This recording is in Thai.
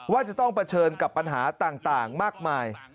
ว่าจะต้องเผชิญกับปัญหาต่างมากมาย